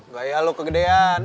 gak iya lu kegedean